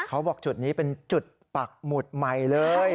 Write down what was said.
เขาบอกจุดนี้เป็นจุดปักหมุดใหม่เลย